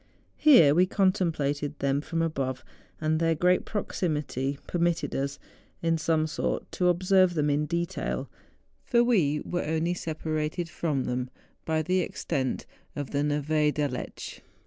Here we contemplated them from above, and their great proximity permitted us, in some sort, to observe them in detail, for we were only separated from them by the extent of the Neve d'Aletsch.